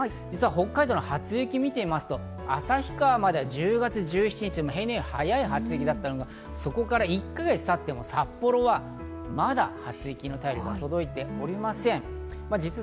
北海道の初雪を見てみますと、旭川まで１０月１７日、平年より早い日にちだったのが、１か月たっても札幌はまだ初雪の便りが届いておりません。